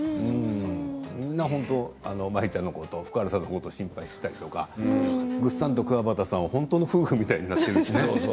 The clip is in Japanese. みんな、舞ちゃんのことを福原さんのことを心配したりとかぐっさんと、くわばたさんは本当の夫婦みたいになっているしね。